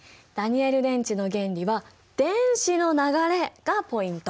ダニエル電池の原理は電子の流れがポイント。